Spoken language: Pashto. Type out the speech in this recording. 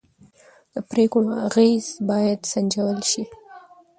د پرېکړو اغېز باید سنجول شي